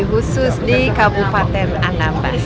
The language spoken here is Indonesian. khusus di kabupaten anambas